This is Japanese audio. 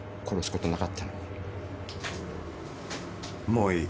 もういい。